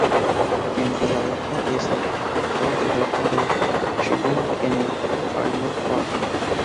En Filadelfia es autor del busto de Schubert en el Fairmount Park.